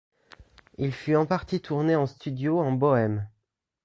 Il fut en partie tourné en studio en Bohême.